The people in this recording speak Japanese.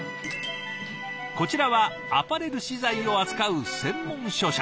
こちらはアパレル資材を扱う専門商社。